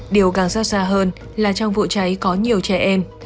điều càng xót xa hơn là trong vụ cháy có nhiều trẻ em